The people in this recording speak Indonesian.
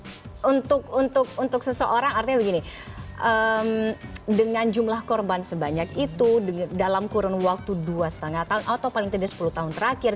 tapi untuk seseorang artinya begini dengan jumlah korban sebanyak itu dalam kurun waktu dua lima tahun atau paling tidak sepuluh tahun terakhir